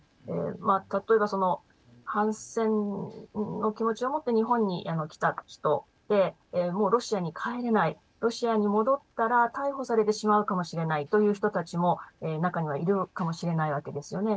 例えばその、反戦の気持ちを持って日本に来た人でもうロシアに帰れないロシアに戻ったら逮捕されてしまうかもしれないという人たちも中にはいるかもしれないわけですよね。